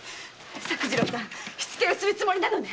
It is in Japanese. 作次郎さん火付けをするつもりなのね